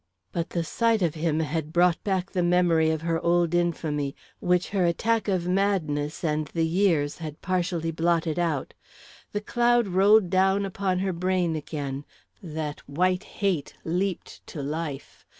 But the sight of him had brought back the memory of her old infamy, which her attack of madness and the years had partially blotted out; the cloud rolled down upon her brain again, that white hate leaped to life.